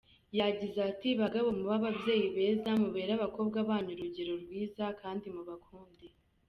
Yagize ati “Bagabo, mube ababyeyi beza, mubere abakobwa banyu urugero rwiza kandi mubakunde.